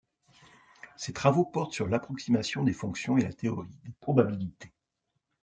Ses travaux portent sur l'approximation des fonctions et la théorie des probabilités.